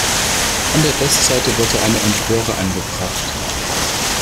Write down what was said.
An der Westseite wurde eine Empore angebracht.